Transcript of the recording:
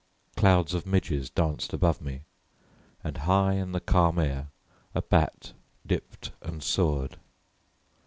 Clouds of midges danced above me, and high in the calm air a bat dipped and soared.